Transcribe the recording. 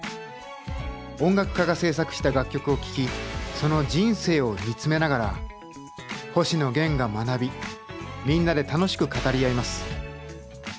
音楽家が制作した楽曲を聴きその人生を見つめながら星野源が学びみんなで楽しく語り合います。